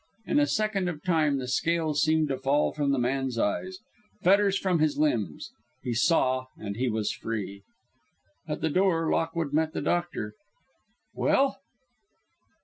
In a second of time the scales seemed to fall from the man's eyes, fetters from his limbs; he saw, and he was free. At the door Lockwood met the doctor: "Well?"